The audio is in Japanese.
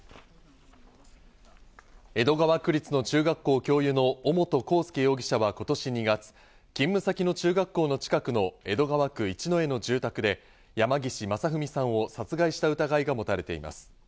江戸川区立の中学校教諭の尾本幸祐容疑者は今年２月、勤務先の中学校の近くの江戸川区一之江の住宅で山岸正文さんを殺害した疑いが持たれています。